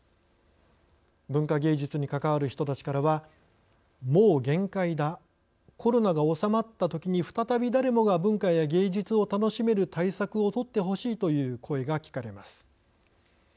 文化芸術に関わる人たちからはもう限界だコロナが収まったときに再び誰もが文化や芸術を楽しめる対策をとってほしいという声が聞かれます。